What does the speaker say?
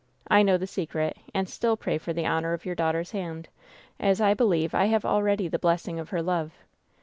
I know the secret, and still pray for the honor of your daughter's hand, as I believe I have already the blessing of her love.